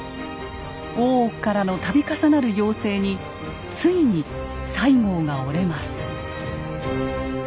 大奥からの度重なる要請についに西郷が折れます。